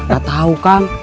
gak tahu kang